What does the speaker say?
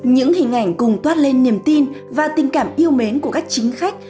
những hình ảnh cùng toát lên niềm tin và tình cảm yêu mến của các chính khách